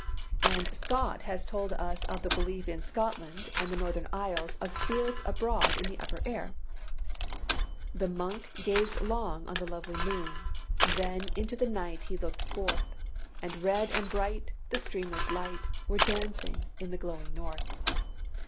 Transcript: And Scott has told us of the belief in Scotland and the northern isles, of spirits abroad in the upper air: "The monk gazed long on the lovely moon, Then into the night he looked forth: And red and bright, the streamers light, Were dancing in the glowing north.